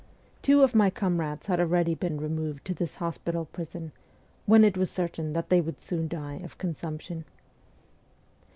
Two of my comrades had already been removed to this hospital prison, when it was certain that they would soon die of consumption.